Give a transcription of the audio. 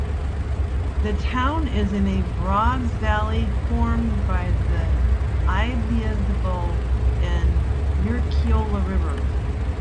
The town is in a broad valley formed by the Ibaizabal and Urkiola Rivers.